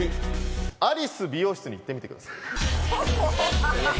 アリス美容室に行ってみてください。